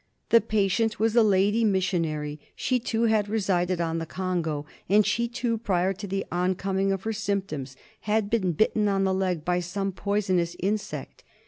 The patient was a lady mis sionary. She too had resided on the Congo, and she too, prior to the oncoming of her symptoms, had been bitten on the leg by some poisonous insect.